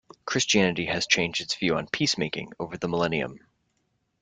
Christianity has changed its view on peacemaking over the millennium.